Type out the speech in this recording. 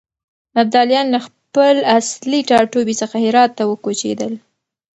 ابداليان له خپل اصلي ټاټوبي څخه هرات ته وکوچېدل.